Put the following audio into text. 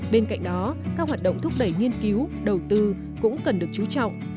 bên cạnh đó các hoạt động thúc đẩy nghiên cứu đầu tư cũng cần được chú trọng